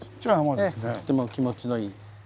とても気持ちのいい。